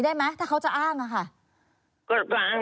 อย่างนี้ได้ไหมถ้าเขาจะอ้างอะค่ะ